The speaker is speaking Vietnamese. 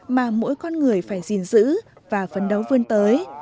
mà mỗi con người phải gìn giữ và phấn đấu vươn tới